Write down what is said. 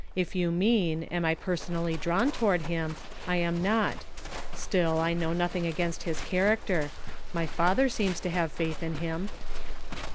If you mean, am I personally drawn toward him, I am not. Still, I know nothing against his character. My father seems to have faith in him."